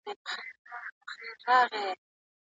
مسلکي ژورنالستان ښه پوهيږي.